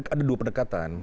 ada dua pendekatan